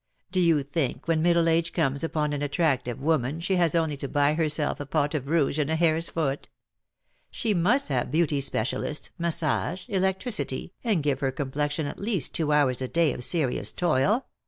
Do you think when middle age comes upon an attractive woman she has only to buy herself a pot of rouge and a hare's foot. She must have 'beauty specialists, mas sage, electricity, and give her complexion at least two hours a day of serious toil.